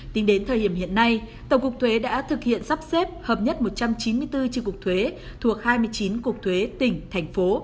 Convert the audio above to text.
tính đến thời điểm hiện nay tổng cục thuế đã thực hiện sắp xếp hợp nhất một trăm chín mươi bốn tri cục thuế thuộc hai mươi chín cục thuế tỉnh thành phố